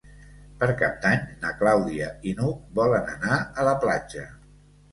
Per Cap d'Any na Clàudia i n'Hug volen anar a la platja.